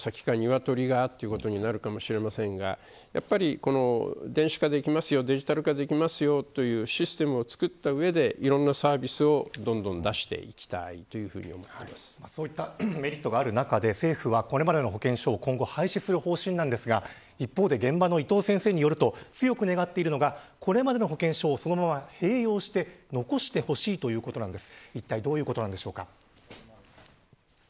たまごが先か、鶏が先かということになるかもしれませんが電子化できます、デジタル化できますというシステムを作った上でいろんなサービスをそういったメリットがある中で政府はこれまでの保険証を廃止する方針ですが一方で、現場の伊藤先生によると強く願っているのがこれまでの保険証をそのまま併用して残してほしいということです。